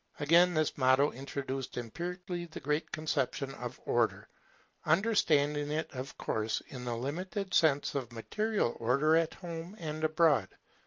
Again, this motto introduced empirically the great conception of Order; understanding it of course in the limited sense of material order at home and abroad.